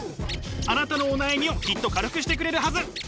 あなたのお悩みをきっと軽くしてくれるはず。